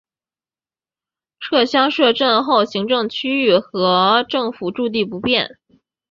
撤乡设镇后行政区域和政府驻地不变。